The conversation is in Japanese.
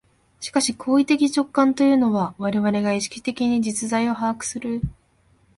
しかし行為的直観というのは、我々が意識的に実在を把握する、